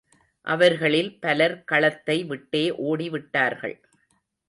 அவர்களில் பலர் களத்தை விட்டே ஓடிவிட்டார்கள்.